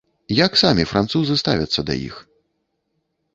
Як самі французы ставяцца да іх?